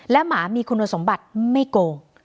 หมามีคุณสมบัติไม่โกง